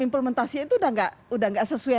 implementasi itu sudah gak sesuai